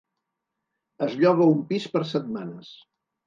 Es lloga un pis per setmanes.